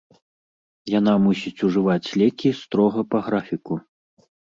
Яна мусіць ужываць лекі строга па графіку.